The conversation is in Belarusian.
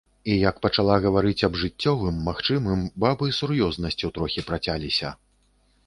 І як пачала гаварыць аб жыццёвым, магчымым, бабы сур'ёзнасцю трохі працяліся.